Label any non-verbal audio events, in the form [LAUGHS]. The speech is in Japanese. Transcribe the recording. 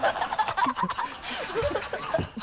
ハハハ [LAUGHS]